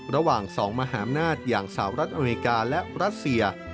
ระหว่างสองมหาบนาธิ์อย่างสาวรัฐอเมริกาและรัสเซีย